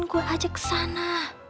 bikin gue ajak ke sana